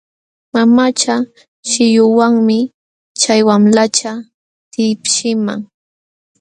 Mamacha shillunwanmi chay wamlacha tipshiqman.